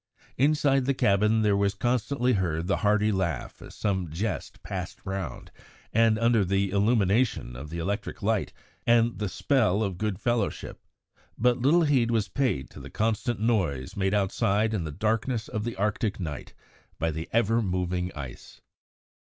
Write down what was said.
Inside the cabin there was constantly heard the hearty laugh as some jest passed round, and under the illumination of the electric light and the spell of good fellowship, but little heed was paid to the constant noise made outside in the darkness of the Arctic night by the ever moving ice.